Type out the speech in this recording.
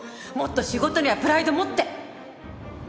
もっと仕事にはプライド持って！